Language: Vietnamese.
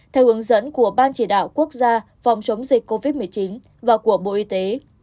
theo hướng dẫn của ban chỉ đạo quốc gia phòng chống dịch covid một mươi chín và của bộ y tế